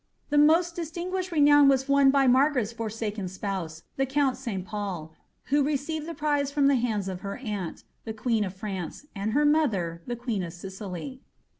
The most distinsruisiied renown was won by Margaret^s forsaken spouse, the count St. Pol, who received the prize from the hands of her aunt, the queen of Fiance, and her mother, the queen of Sicily.'